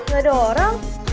gak ada orang